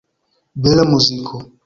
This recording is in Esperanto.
Bela muziko!